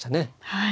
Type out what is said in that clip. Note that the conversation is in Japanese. はい。